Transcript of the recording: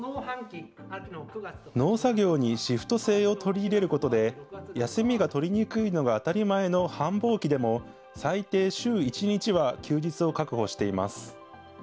農作業にシフト制を取り入れることで、休みが取りにくいのが当たり前の繁忙期でも、最低週１日は休日を確保しています。